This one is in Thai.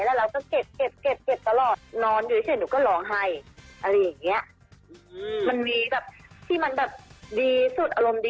เราเจอแรงกฎจานก็เลยให้ยา